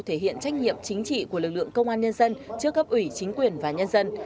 thể hiện trách nhiệm chính trị của lực lượng công an nhân dân trước gấp ủy chính quyền và nhân dân